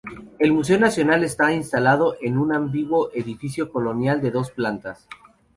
El Museo Nacional está instalado en un ambiguo edificio colonial de dos plantas.